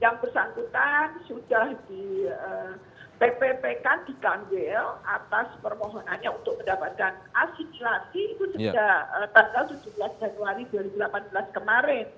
yang bersangkutan sudah di pppk dikangil atas permohonannya untuk mendapatkan asimilasi itu sejak tanggal tujuh belas januari dua ribu delapan belas kemarin